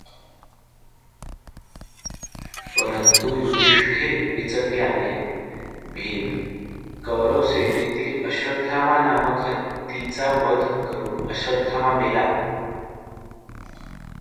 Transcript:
पंरतु युधिष्ठिर बिचकल्याने भीम कौरवसेनेतील अश्वत्थामा नामक हत्तीचा वध करून अश्वत्थामा मेला!